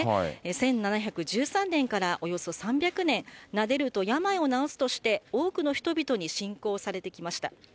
１７１３年からおよそ３００年、なでると病を治すとして多くの人々に信仰されてきました。